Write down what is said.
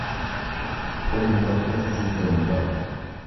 Qubni tokko tisiisa hin qabu.